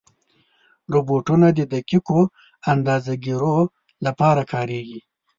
روبوټونه د دقیقو اندازهګیرو لپاره کارېږي.